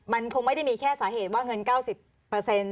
มันคงไม่ได้มีแค่สาเหตุว่าเงิน๙๐